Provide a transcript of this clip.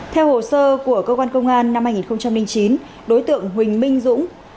theo hồ sơ của cơ quan công an năm hai nghìn chín đối tượng huỳnh minh dũng